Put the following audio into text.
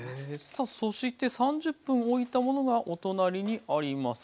さあそして３０分おいたものがお隣にあります。